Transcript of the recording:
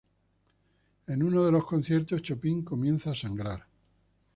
En uno de los conciertos, Chopin comienza a sangrar.